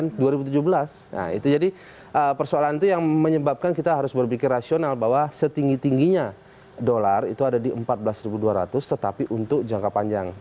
nah itu jadi persoalan itu yang menyebabkan kita harus berpikir rasional bahwa setinggi tingginya dolar itu ada di empat belas dua ratus tetapi untuk jangka panjang